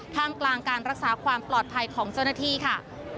ท่ามกลางการรักษาความปลอดภัยของเจ้าหน้าที่ค่ะ